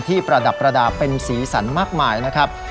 ประดับประดาษเป็นสีสันมากมายนะครับ